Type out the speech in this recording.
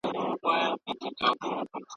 بریالي کسان به خپلي ملګرتیاوي پالي.